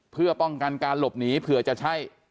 เพื่อป้องกันการหลบหนีเผื่อจะใช่